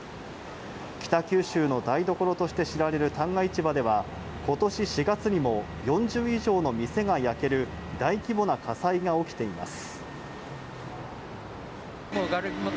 北九州の台所として知られる旦過市場では今年４月にも４０以上の店が焼ける大規模な火災が起きています。